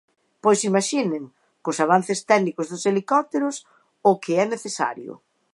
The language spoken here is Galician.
Pois imaxinen, cos avances técnicos dos helicópteros, o que é necesario.